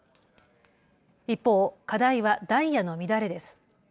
一方、課題はダイヤの乱れです。